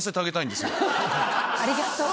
ありがとう。